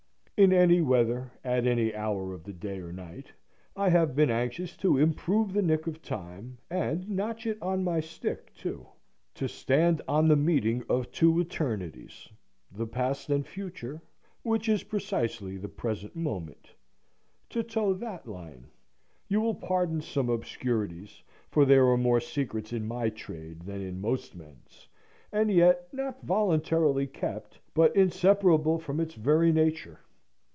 In any weather, at any hour of the day or night, I have been anxious to improve the nick of time, and notch it on my stick too; to stand on the meeting of two eternities, the past and future, which is precisely the present moment; to toe that line. You will pardon some obscurities, for there are more secrets in my trade than in most men's, and yet not voluntarily kept, but inseparable from its very nature.